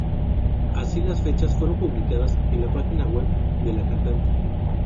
Así, las fechas fueron publicadas en la página web de la cantante.